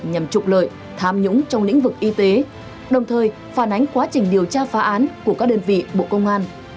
nhằm trục lợi tham nhũng trong lĩnh vực y tế đồng thời phản ánh quá trình điều tra phá án của các đơn vị bộ công an